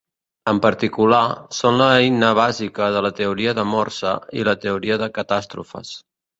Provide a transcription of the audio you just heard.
En particular, són l'eina bàsica de la teoria de Morse i la teoria de catàstrofes.